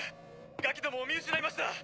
ガキどもを見失いました。